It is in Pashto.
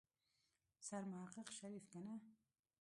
سرمحقق شريف کنه.